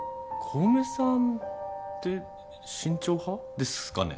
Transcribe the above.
小梅さんって慎重派？ですかね。